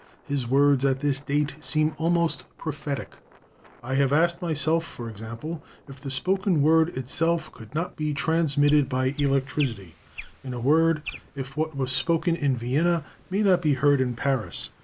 His words at this date seem almost prophetic : "I have asked myself, for example, if the spoken word itself could not be transmitted by electricity; in a word, if what was spoken in Vienna may not be heard in Paris.